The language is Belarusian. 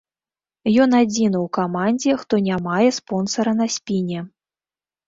Ён адзіны ў камандзе, хто не мае спонсара на спіне.